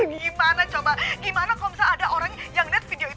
gimana coba gimana kalau ada orang yang